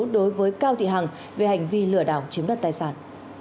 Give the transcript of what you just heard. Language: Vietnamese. đối với cao thị hằng về hành vi lừa đảo chiếm đoạt tài sản